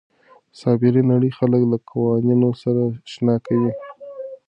سایبري نړۍ خلک له قوانینو سره اشنا کوي.